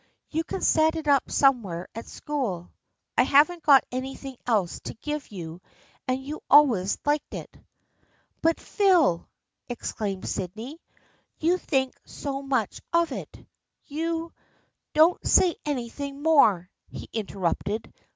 You can set it up somewhere at school. I haven't got anything else to give you and you always liked it." " But, Phil !" exclaimed Sydney, " you think so much of it. You "" Don't say anything more !" he interrupted.